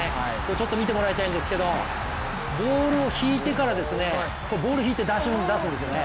ちょっと見てもらいたいんですけれども、ボールを引いてから出すんですよね。